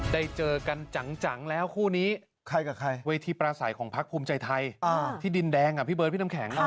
ได้เจอกันจังแล้วคู่นี้ใครกับใครเวทีปราศัยของพักภูมิใจไทยที่ดินแดงอ่ะ